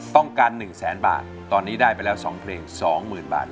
ต้องการหนึ่งแสนบาทตอนนี้ได้ไปแล้วสองเพลงสองหมื่นบาท